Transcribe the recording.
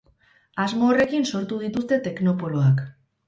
Asmo horrekin sortu dituzte teknopoloak.